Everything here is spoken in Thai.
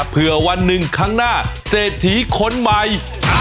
เพื่อวันหนึ่งครั้งหน้าเศรษฐีคนใหม่